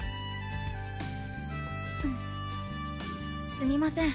すみません